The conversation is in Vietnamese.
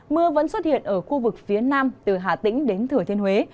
mưa vẫn xuất hiện ở khu vực phía nam từ hà tĩnh đến thừa thiên huế